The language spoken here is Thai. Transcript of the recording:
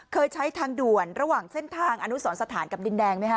เคยใช้ทางด่วนระหว่างเส้นทางอนุสรสถานกับดินแดงไหมคะ